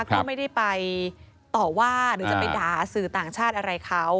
ก็ไม่ได้ไปต่อว่าหรือจะไปด่าสื่อต่างชาติอะไรเขา